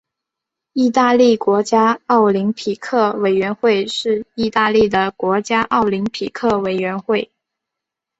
意大利国家奥林匹克委员会是意大利的国家奥林匹克委员会。